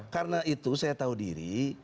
karena itu saya tahu diri